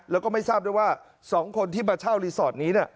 แล้วก็ไม่ทราบด้วยว่า๒คนที่มาเช่ารีสอร์ทนี้